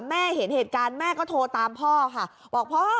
เห็นเหตุการณ์แม่ก็โทรตามพ่อค่ะบอกพ่อ